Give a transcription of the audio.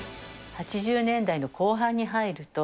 ８０年代の後半に入ると、